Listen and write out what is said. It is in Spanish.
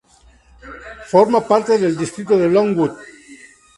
Forma parte del distrito de Longwood.